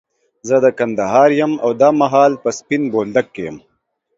زه د کندهار يم، او دا مهال په سپين بولدک کي يم.